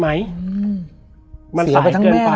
แล้วสักครั้งหนึ่งเขารู้สึกอึดอัดที่หน้าอก